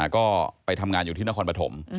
ก็ไปทำงานอยู่ที่นครปฐม